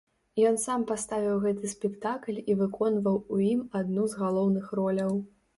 Ён сам паставіў гэты спектакль і выконваў у ім адну з галоўных роляў.